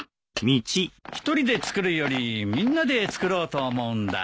一人で作るよりみんなで作ろうと思うんだ。